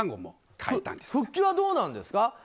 復帰はどうなんですか？